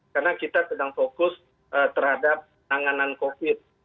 karena kita sedang fokus terhadap tanganan covid